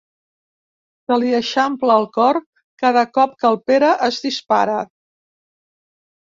Se li eixampla el cor cada cop que el Pere es dispara.